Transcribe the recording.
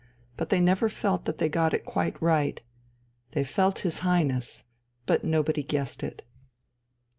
But they never felt that they had got it quite right they felt his Highness, but nobody guessed it.